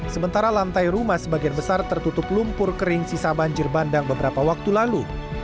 sementara lantai rumah sebagian besar tertutup lumpur kering sisa banjir bandang beberapa waktu lalu